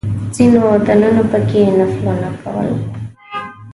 ځینو دننه په کې نفلونه کول.